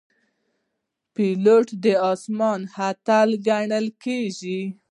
پیلوټ د آسمان اتل ګڼل کېږي.